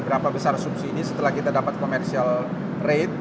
berapa besar subsidi setelah kita dapat commercial rate